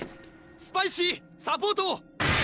スパイシーサポートを！